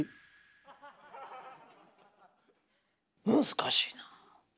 難しいなあ！